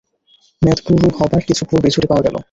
মেয়াদ পুরো হবার কিছু পূর্বেই ছুটি পাওয়া গেল।